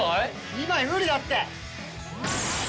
２枚無理だって。